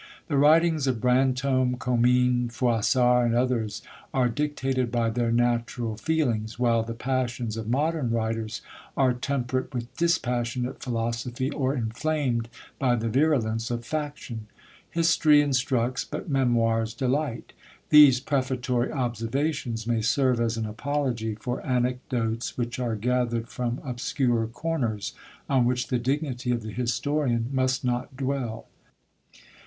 The writings of Brantome, Comines, Froissart, and others, are dictated by their natural feelings: while the passions of modern writers are temperate with dispassionate philosophy, or inflamed by the virulence of faction. History instructs, but Memoirs delight. These prefatory observations may serve as an apology for Anecdotes which are gathered from obscure corners, on which the dignity of the historian must not dwell.